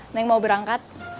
neng mau berangkat